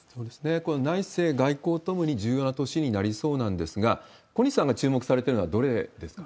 この内政外交ともに、重要な年になりそうなんですが、小西さんが注目されてるのはどれですか？